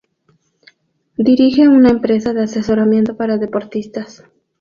Dirige una empresa de asesoramiento para deportistas.